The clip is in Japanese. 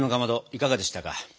いかがでしたか？